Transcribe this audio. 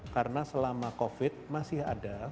karena selama covid masih ada